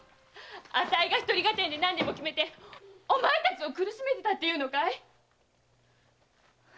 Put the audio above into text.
あたいが独り合点で何でも決めておまえたちを苦しめてたっていうのかい⁉